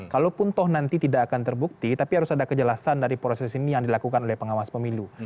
kalaupun toh nanti tidak akan terbukti tapi harus ada kejelasan dari proses ini yang dilakukan oleh pengawas pemilu